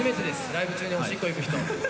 ライブ中に、おしっこ行く人。